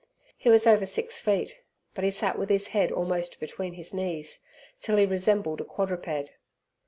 He was over six feet, but he sat with his head almost between his knees, till he resembled a quadruped.